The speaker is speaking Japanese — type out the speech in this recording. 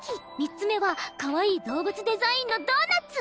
３つ目はかわいい動物デザインのドーナッツ。